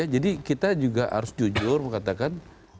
jadi kita juga harus jujur mengatakan